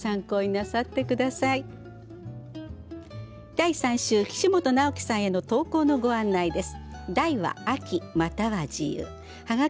第３週岸本尚毅さんへの投稿のご案内です。